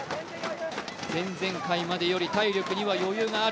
前々回までより、体力には余裕がある。